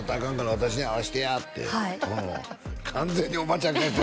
「私に会わせてや」ってはい完全におばちゃん